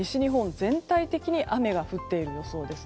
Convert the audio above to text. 全体的に雨が降っている予想です。